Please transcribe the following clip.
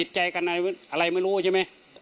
ผิดใจกันอะไรไม่รู้ใช่มั้ย